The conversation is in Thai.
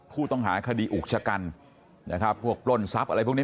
ผู้ต้องหาคดีอุกชะกันนะครับพวกปล้นทรัพย์อะไรพวกนี้